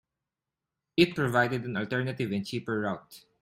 It provided an alternative and cheaper route.